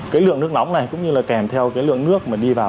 cái lượng nước nóng này cũng như là kèm theo cái lượng nước mà đi vào